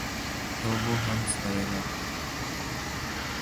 تو وہ ہنس پڑے گا۔